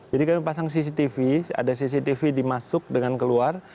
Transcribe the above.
jadi kami pasang cctv ada cctv dimasuk dengan keluar